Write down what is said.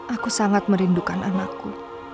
aku sangat merindukan anakku